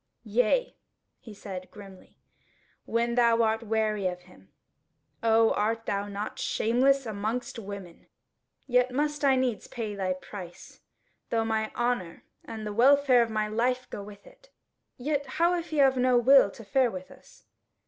"Yea," he said, grimly, "when thou art weary of him. O art thou not shameless amongst women! Yet must I needs pay thy price, though my honour and the welfare of my life go with it. Yet how if he have no will to fare with us?"